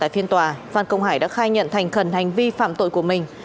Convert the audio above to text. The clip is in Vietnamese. tại phiên tòa phan công hải đã khai nhận thành khẩn hành vi phạm tội của mình